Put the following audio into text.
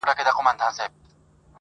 سړی پوه وو چي غمی مي قېمتي دی,